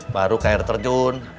baru ke air terjun